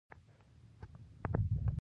غول د سرطان نښې پټوي.